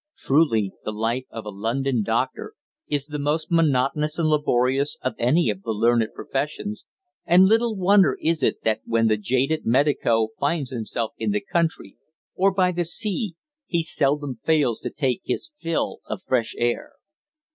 Truly the life of a London doctor is the most monotonous and laborious of any of the learned professions, and little wonder is it that when the jaded medico finds himself in the country or by the sea he seldom fails to take his fill of fresh air.